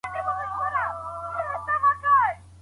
د لاس لیکنه د تجسس د ارامولو لاره ده.